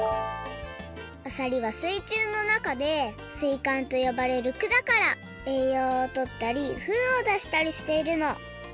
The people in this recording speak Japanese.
あさりは水中のなかで水かんとよばれるくだからえいようをとったりフンをだしたりしているの。